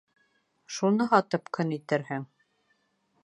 Шуны һатып көн итерһең.